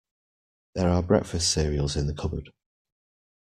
There are breakfast cereals in the cupboard.